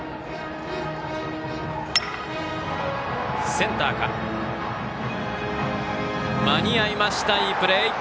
センター、間に合いましたいいプレー！